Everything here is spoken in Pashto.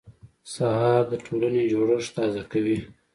سهار د ټولنې جوړښت تازه کوي.